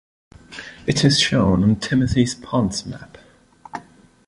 It is shown on Timothy Pont's map.